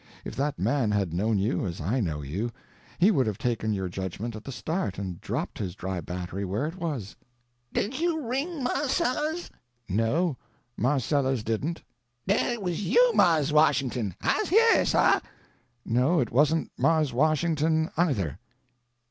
If that man had known you as I know you he would have taken your judgment at the start, and dropped his dry battery where it was." "Did you ring, Marse Sellers?" "No, Marse Sellers didn't." "Den it was you, Marse Washington. I's heah, suh." "No, it wasn't Marse Washington, either."